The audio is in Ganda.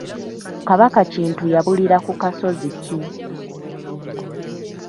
Kabaka Kintu yabulira ku kasozi ki?